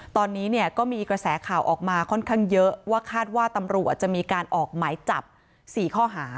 ตอนนี้เนี่ยก็มีกระแสข่าวออกมาค่อนข้างเยอะว่าคาดว่าตำรวจจะมีการออกหมายจับ๔ข้อหา